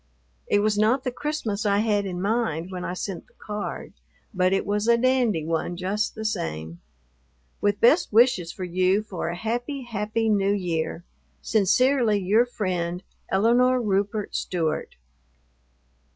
It was not the Christmas I had in mind when I sent the card, but it was a dandy one, just the same. With best wishes for you for a happy, happy New Year, Sincerely your friend, ELINORE RUPERT STEWART.